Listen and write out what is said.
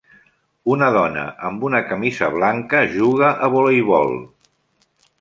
Una dona amb una camisa blanca juga a voleibol.